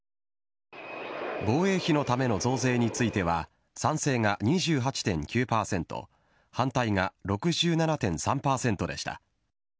防衛費のための増税については、賛成が２８．９％、反対が６７．３％でした。